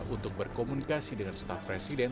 untuk berkomunikasi dengan staf presiden